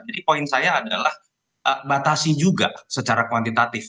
jadi poin saya adalah batasi juga secara kuantitatif